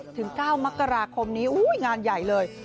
ถึง๙มกราคมนี้งานใหญ่เลย